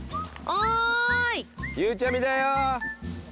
ゆうちゃみだよ！